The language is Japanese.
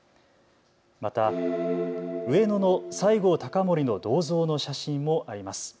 また、上野の西郷隆盛の銅像の写真もあります。